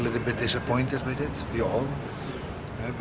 mereka agak sedikit mengecewakan dengan itu kita semua